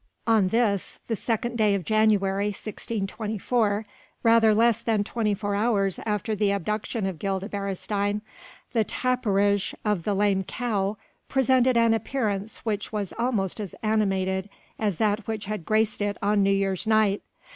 On this the 2nd day of January, 1624 rather less than twenty four hours after the abduction of Gilda Beresteyn, the tapperij of the "Lame Cow" presented an appearance which was almost as animated as that which had graced it on New Year's night.